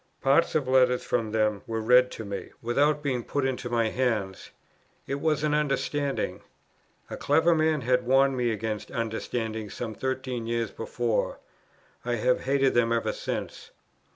Parts of letters from them were read to me, without being put into my hands. It was an "understanding." A clever man had warned me against "understandings" some thirteen years before: I have hated them ever since.